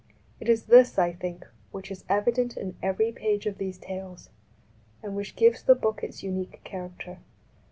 It is this, I think, which is evident in every page of these Tales, and which gives the book its unique character.